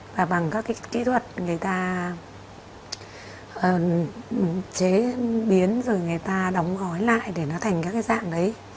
và bằng các cái kỹ thuật người ta chế biến rồi người ta đóng gói lại để nó thành các cái dạng đấy